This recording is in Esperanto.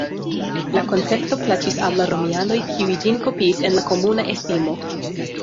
La koncepto plaĉis al la romianoj kiuj ĝin kopiis en la komuna estimo.